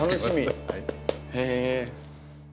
へえ。